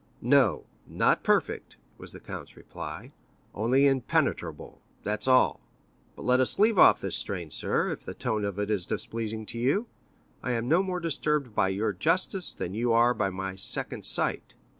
"No, not perfect," was the count's reply; "only impenetrable, that's all. But let us leave off this strain, sir, if the tone of it is displeasing to you; I am no more disturbed by your justice than are you by my second sight."